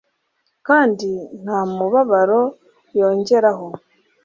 kandi nta mubabaro yongeraho